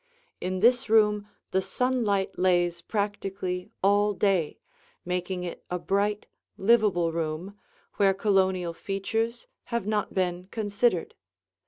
In this room the sunlight lays practically all day, making it a bright, livable room, where Colonial features have not been considered.